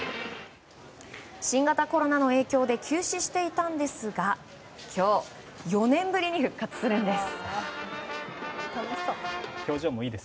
新型コロナの影響で休止していたんですが今日、４年ぶりに復活するんです！